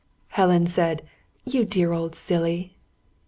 Helen said: "You dear old silly!"